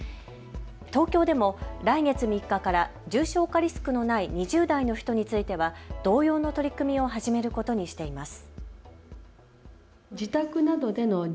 東京でも来月３日から重症化リスクのない２０代の人については同様の取り組みを始めることにしています。